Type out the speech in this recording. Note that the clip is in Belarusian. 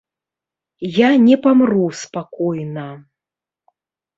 Я не памру спакойна.